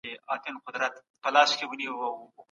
تاسي ولي په دغي غبارجني لاري کي یوازي روان سواست؟